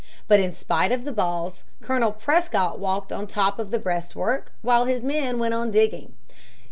But in spite of the balls Colonel Prescott walked on the top of the breastwork while his men went on digging.